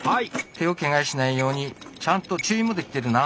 手をケガしないようにちゃんと注意もできてるな。